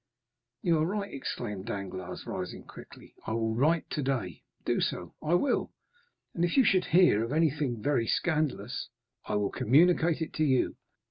"You are right," exclaimed Danglars, rising quickly, "I will write today." "Do so." "I will." 30259m "And if you should hear of anything very scandalous——" "I will communicate it to you."